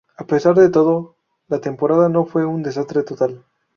A pesar de todo, la temporada no fue un desastre total.